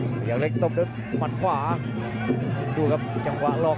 พยายามเล็กตบด้วยมันขวาครับดูครับจำกวาห์หลอก